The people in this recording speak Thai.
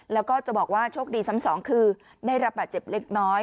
แล้วก็จะบอกว่าโชคดีซ้ำสองคือได้รับบาดเจ็บเล็กน้อย